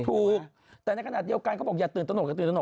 ถูกแต่ในขณะเดียวกันเขาบอกอย่าตื่นตนก